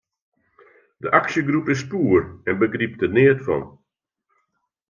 De aksjegroep is poer en begrypt der neat fan.